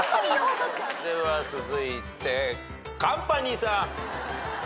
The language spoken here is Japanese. では続いてカンパニーさん。